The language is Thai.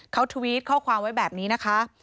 เขาทวิตข้อความไว้แบบนี้นะคะ